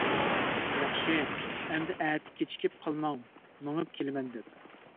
ياخشى، ئەمدى ئەتە كېچىكىپ قالماڭ مېڭىپ كېلىمەن دەپ.